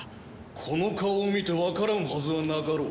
この顔を見てわからんはずはなかろう。